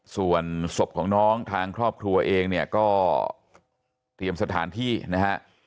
ส่วนศพของน้องทางครอบครัวเองเนี่ยก็เตรียมสถานที่นะฮะ